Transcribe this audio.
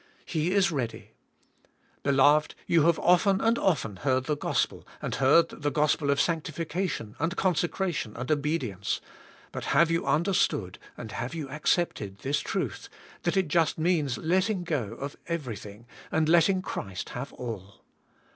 He is ready. Beloved, you have often 156 THE SPIRITUAL LIFE. and often heard the gospel and heard the g"ospel of sanctification and consecration and obedience, but have you understood and have you accepted this truth, that it just means letting" g o everything", and letting Christ have all?